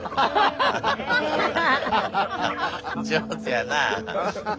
上手やなあ。